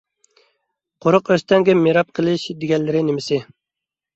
قۇرۇق ئۆستەڭگە مىراب قىلىش دېگەنلىرى نېمىسى؟